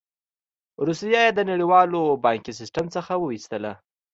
روسیه یې د نړیوال بانکي سیستم څخه وویستله.